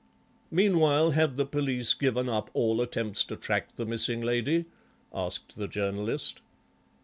"Meanwhile had the police given up all attempts to track the missing lady?" asked the Journalist.